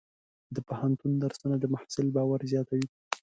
د پوهنتون درسونه د محصل باور زیاتوي.